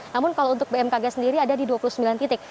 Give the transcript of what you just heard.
namun kalau untuk bmkg sendiri ada di dua puluh sembilan titik